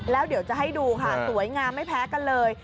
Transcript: แล้วเดี๋ยวจะให้ดูค่ะสวยงามไม่แพ้กันเลย